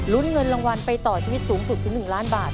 เงินรางวัลไปต่อชีวิตสูงสุดถึง๑ล้านบาท